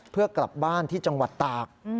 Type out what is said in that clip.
เพื่อกลับบ้านที่จังหวัดตาก